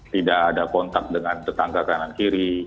tidak ada kontak dengan tetangga kanan kiri